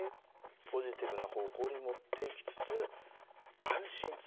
ポジティブな方向に持っていきつつ安心させる。